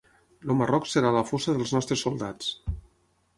El Marroc serà la fossa dels nostres soldats.